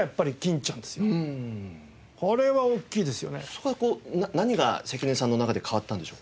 それは何が関根さんの中で変わったんでしょうか？